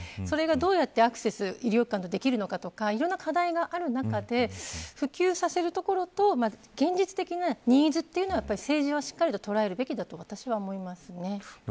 それがどうやってアクセス医療機関とできるのかとかいろんな課題がある中で普及させるところと現実的なニーズは、政治はしっかりと、捉えるべきだと私は思います。